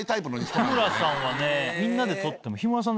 日村さんはね。